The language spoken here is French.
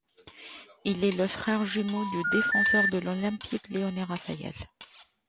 Il est le frère jumeau du défenseur de l'Olympique lyonnais Rafael.